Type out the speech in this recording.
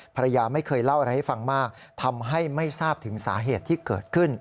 ภรรยาไม่เคยเล่าอะไรให้ฟังมากทำให้ไม่ทราบถึงสาเหตุที่เกิดขึ้น